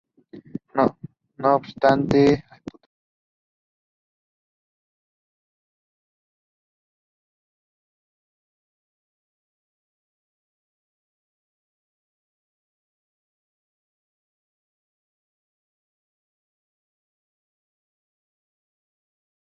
El grupo de trabajo fue encabezado por el coronel Belga Charles Laurent.